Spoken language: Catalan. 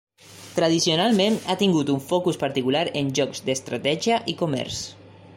Tradicionalment ha tingut un focus particular en jocs d'estratègia i comerç.